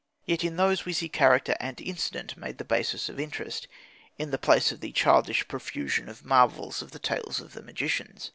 Yet in those we see character and incident made the basis of interest, in place of the childish profusion of marvels of the Tales of the Magicians.